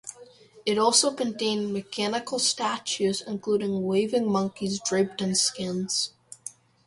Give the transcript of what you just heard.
It also contained mechanical statues including waving monkeys draped in skins.